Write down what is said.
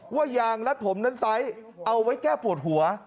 ว่ายางรัดผมนั้นไซส์เอาไว้แก้ปวดหัว